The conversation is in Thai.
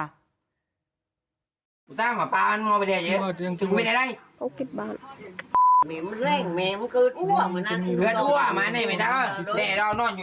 แฮะ